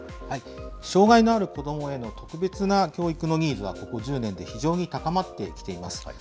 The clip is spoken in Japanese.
障害のある子どもへの特別な教育のニーズは、ここ１０年で非常に高まってきています。